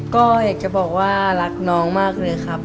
ก็อยากจะบอกว่ารักน้องมากเลยครับ